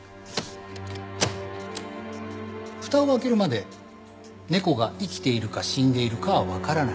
蓋を開けるまで猫が生きているか死んでいるかはわからない。